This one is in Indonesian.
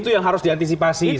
yang harus diantisipasi sebetulnya